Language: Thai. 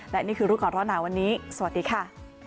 และนี่คือรูปก่อนร้อนหนาวันนี้สวัสดีค่ะ